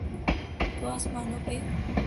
تو آسمانوں پہ۔